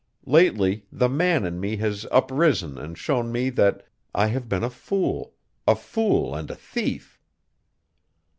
Lately the man in me has uprisen and shown me that I have been a fool a fool and a thief!"